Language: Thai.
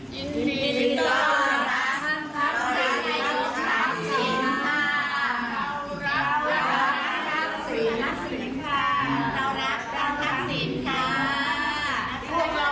ยินดีต้อนรักทักษิณค่ะเรารักทักษิณค่ะ